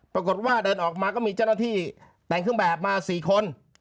ปรากฏว่าเดินออกมาก็มีเจ้าหน้าที่แต่งเครื่องแบบมา๔คน